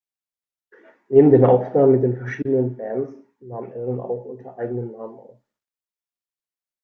Neben den Aufnahmen mit den verschiedenen Bands nahm Allen auch unter eigenem Namen auf.